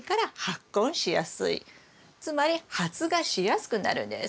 つまり発芽しやすくなるんです。